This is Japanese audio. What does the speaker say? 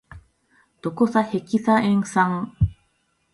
ドコサヘキサエン酸